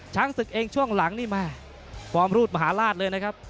ช้างศึกเองช่วงหลังนี่แม่ฟอร์มรูดมหาราชเลยนะครับ